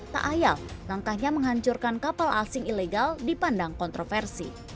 tak ayal langkahnya menghancurkan kapal asing ilegal dipandang kontroversi